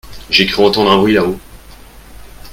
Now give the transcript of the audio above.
J’ai cru entendre un bruit là-haut !